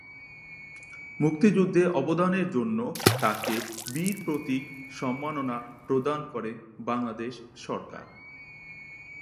মুক্তিযুদ্ধে অবদানের জন্য তাকে বীর প্রতীক সম্মাননা প্রদান করে বাংলাদেশ সরকার।